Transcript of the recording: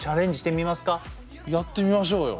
やってみましょうよ。